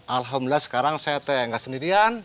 alhamdulillah sekarang saya tete yang gak sendirian